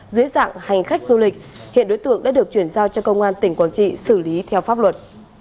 dưới dạng hành khách du lịch hiện đối tượng đã được chuyển giao cho công an tỉnh quảng trị xử lý theo pháp luật